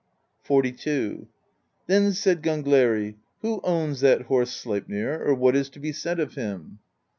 XLII. Then said Gangleri: "Who owns that horse Sleip nir, or what is to be said of him?"